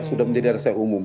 sudah menjadi resah umum